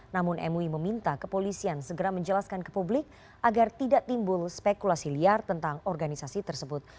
namun mui meminta kepolisian segera menjelaskan ke publik agar tidak timbul spekulasi liar tentang organisasi tersebut